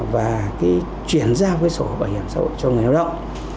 và chuyển giao sổ bảo hiểm xã hội cho người lao động